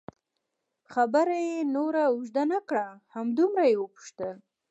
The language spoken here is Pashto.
خبره یې نوره اوږده نه کړه، همدومره یې وپوښتل.